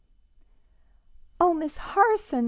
"Oh, Miss Harson!"